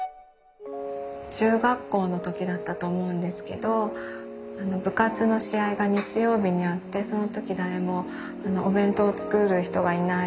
中学校の時だったと思うんですけど部活の試合が日曜日にあってその時誰もお弁当を作る人がいない。